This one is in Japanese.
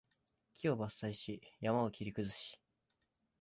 木を伐採し、山を切り崩し